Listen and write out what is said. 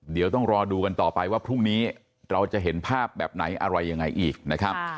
เดี๋ยวต้องรอดูกันต่อไปว่าพรุ่งนี้เราจะเห็นภาพแบบไหนอะไรยังไงอีกนะครับ